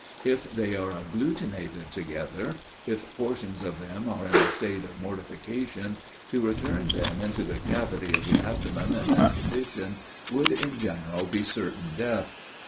If they are agglutinated together if portions of them are in a state of mortification, to return them into the cavity of the abdomen in that condition, would, in general, be certain death.